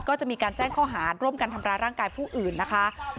ก็จะมีการแจ้งข้อหารร่วมกันทำร้ายร่างกายผู้อื่นนะคะ